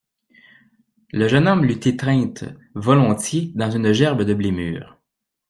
Le jeune homme l'eût étreinte volontiers dans une gerbe de blé mûr.